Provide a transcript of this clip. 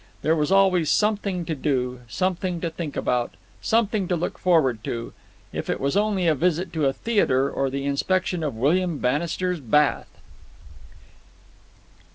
There was always something to do, something to think about, something to look forward to, if it was only a visit to a theatre or the inspection of William Bannister's bath.